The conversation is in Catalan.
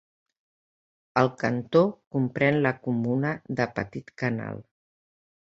El cantó comprèn la comuna de Petit-Canal.